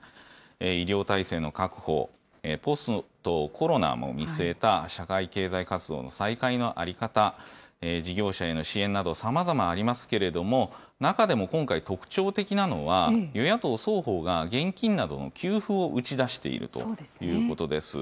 医療体制の確保、ポストコロナも見据えた社会経済活動の再開の在り方、事業者への支援など、さまざまありますけれども、中でも今回、特長的なのは、与野党双方が現金などの給付を打ち出しているということです。